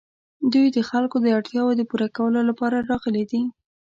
دوی د خلکو د اړتیاوو د پوره کولو لپاره راغلي دي.